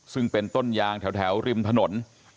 ซึ่งเป็นต้นยางแถวริมถนน